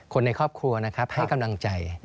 คนในครอบครัวให้กำลังใจ